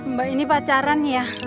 mbak ini pacaran ya